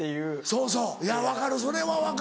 そうそういや分かるそれは分かる。